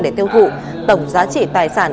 để tiêu thụ tổng giá trị tài sản